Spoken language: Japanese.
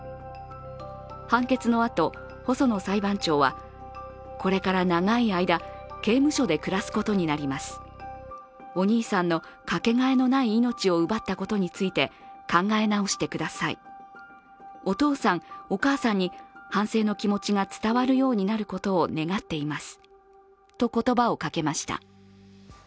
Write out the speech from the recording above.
判決のあと、細野裁判長はこれから長い間、刑務所で暮らすことになります、お兄さんのかけがえのない命を奪ったことについて考え直してください、お父さん、お母さんに反省の気持ちが伝わるようになることを願っていますと言葉をかけました。